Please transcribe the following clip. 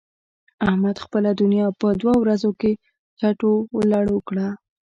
احمد خپله دونيا په دوو ورځو کې چټو و لړو کړه.